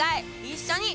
一緒に！